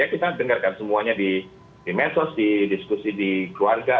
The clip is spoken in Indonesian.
kita dengarkan semuanya di mesos di diskusi di keluarga